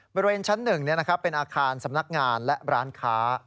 บริเวณชั้น๑เป็นอาคารสำนักงานและร้านค้า